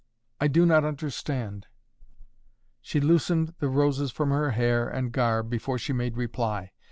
"I do not understand " She loosened the roses from her hair and garb before she made reply.